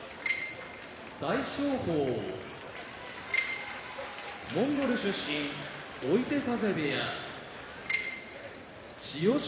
大翔鵬モンゴル出身追手風部屋千代翔